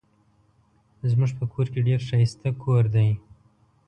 زمونږ په کور کې ډير ښايسته کوور دي